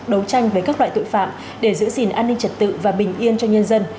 đấu tranh với các loại tội phạm để giữ gìn an ninh trật tự và bình yên cho nhân dân